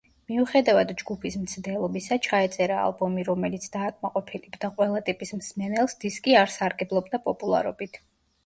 მიუხედავად ჯგუფის მცდელობისა, ჩაეწერა ალბომი, რომელიც დააკმაყოფილებდა ყველა ტიპის მსმენელს, დისკი არ სარგებლობდა პოპულარობით.